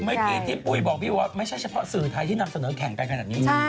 เมื่อกี้ที่ปุ้ยบอกพี่ว่าไม่ใช่เฉพาะสื่อไทยที่นำเสนอแข่งกันขนาดนี้